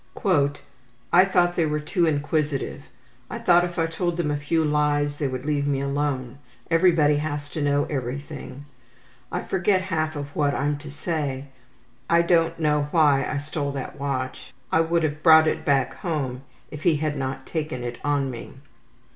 ``I thought they were too inquisitive. I thought if I told them a few lies they would leave me alone. Everybody has to know everything. I forget half of what I'm to say. I don't know why I stole that watch. I would have brought it back home if he had not taken it on me.